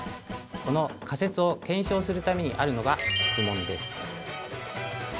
この仮説を検証するためにあるのが「質問」です。